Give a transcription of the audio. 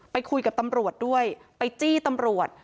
ไปคุยกับตำรวจด้วยไปจี้ตำรวจ